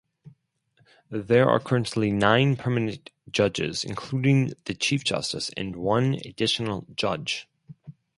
There are currently nine permanent judges including the Chief Justice and one additional judge.